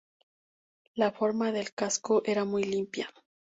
La forma del casco era muy limpia.